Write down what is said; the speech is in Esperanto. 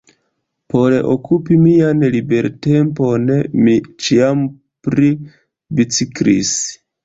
Por okupi mian libertempon, mi ĉiam pli biciklis.